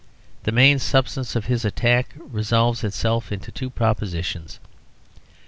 The main substance of his attack resolves itself into two propositions.